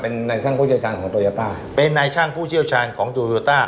นายช่างผู้เชี่ยวชาญของโตยาต้าเป็นนายช่างผู้เชี่ยวชาญของโตโยต้า